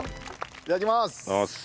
いただきます。